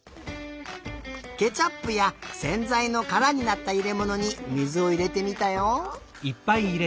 ケチャップやせんざいのからになったいれものに水をいれてみたよ。